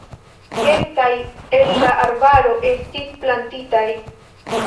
Kelkaj el la arbaro estis plantitaj.